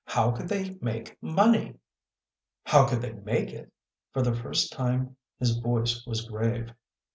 " How could they make money ?"" How could they make it ?" For the first time his voice was grave.